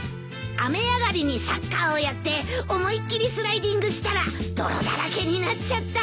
雨上がりにサッカーをやって思いっ切りスライディングしたら泥だらけになっちゃった。